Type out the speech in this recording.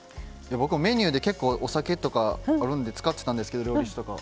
僕もメニューで結構お酒とかあるんで使ってたんですけど料理酒とか。